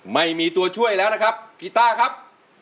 ไม่มีตัวช่วยแล้วนะครับกีต้าครับ